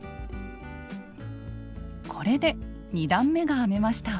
これで２段めが編めました。